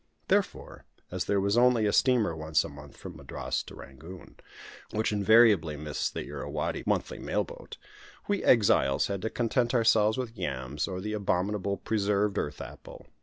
Therefore, as there was only a steamer once a month from Madras to Rangoon, which invariably missed the Irrawaddy monthly mail boat, we "exiles" had to content ourselves with yams, or the abominable "preserved" earth apple.